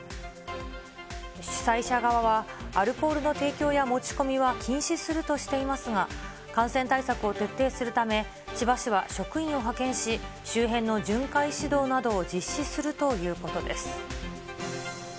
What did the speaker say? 主催者側は、アルコールの提供や持ち込みは禁止するとしていますが、感染対策を徹底するため、千葉市は職員を派遣し、周辺の巡回指導などを実施するということです。